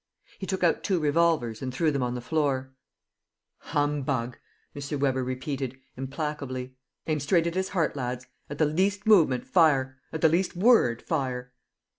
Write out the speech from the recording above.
He took out two revolvers and threw them on the floor. "Humbug!" M. Weber repeated, implacably. "Aim straight at his heart, lads! At the least movement, fire! At the least word, fire!"